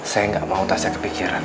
saya gak mau tasnya kepikiran